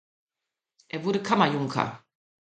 Er wurde Kammerjunker.